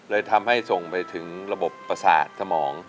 เลยทำให้ส่งไปถึงระบบประสาทสมอง